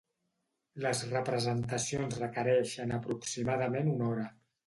Les representacions requereixen aproximadament una hora.